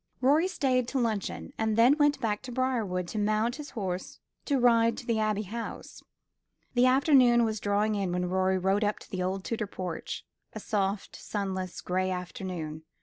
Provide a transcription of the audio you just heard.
Rorie stayed to luncheon, and then went back to Briarwood to mount his horse to ride to the Abbey House. The afternoon was drawing in when Rorie rode up to the old Tudor porch a soft, sunless, gray afternoon.